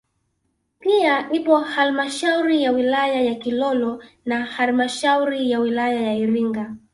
Pia ipo halmashauri ya wilaya ya Kilolo na halmashauri ya wilaya ya Iringa